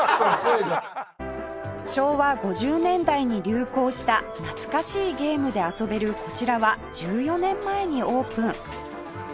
昭和５０年代に流行した懐かしいゲームで遊べるこちらは１４年前にオープン